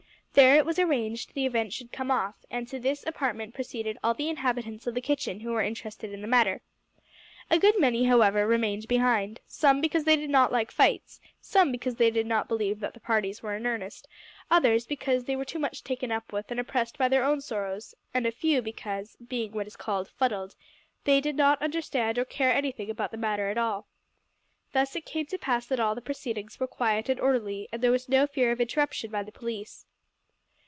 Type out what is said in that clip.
There, it was arranged, the event should come off, and to this apartment proceeded all the inhabitants of the kitchen who were interested in the matter. A good many, however, remained behind some because they did not like fights, some because they did not believe that the parties were in earnest, others because they were too much taken up with and oppressed by their own sorrows, and a few because, being what is called fuddled, they did not understand or care anything about the matter at all. Thus it came to pass that all the proceedings were quiet and orderly, and there was no fear of interruption by the police.